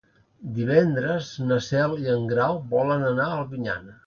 Divendres na Cel i en Grau volen anar a Albinyana.